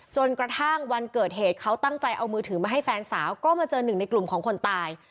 จนกระทั่งวันเกิดเหตุเขาตั้งใจเอามือถือมาให้แฟนสาวก็มาเจอหนึ่งในกลุ่มของคนตาย